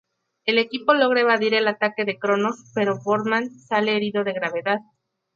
El equipo logra evadir el ataque de Chronos pero Boardman sale herido de gravedad.